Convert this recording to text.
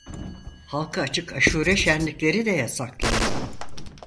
Halka açık aşure şenlikleri de yasaklandı.